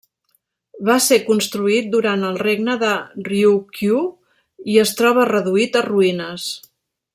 Va ser construït durant el Regne de Ryūkyū i es troba reduït a ruïnes.